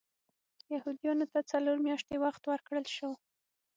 یهودیانو ته څلور میاشتې وخت ورکړل شو.